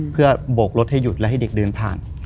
เพื่อโบกรถให้หยุดและให้เด็กเดินผ่าน